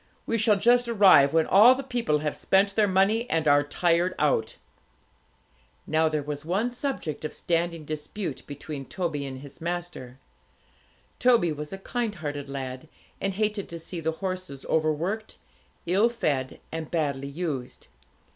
We shall just arrive when all the people have spent their money, and are tired out.' Now there was one subject of standing dispute between Toby and his master. Toby was a kind hearted lad, and hated to see the horses over worked, ill fed, and badly used.